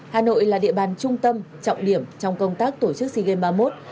hà nội là địa bàn trung tâm trọng điểm trong công tác tổ chức sea games ba mươi một